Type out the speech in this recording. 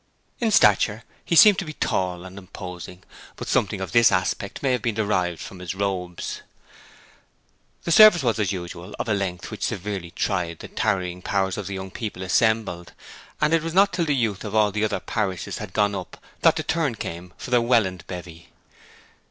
In stature he seemed to be tall and imposing, but something of this aspect may have been derived from his robes. The service was, as usual, of a length which severely tried the tarrying powers of the young people assembled; and it was not till the youth of all the other parishes had gone up that the turn came for the Welland bevy.